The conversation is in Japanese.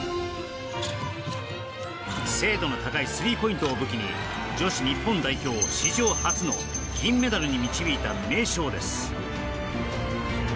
精度の高いスリーポイントを武器に女子日本代表を史上初の銀メダルに導いた名将です。